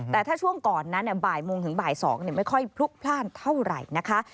แต่ถ้าช่วงก่อนนั้นบ่ายโมงถึงบ่าย๒ไม่ค่อยพลุกพลาดเท่าไหร่นะคะ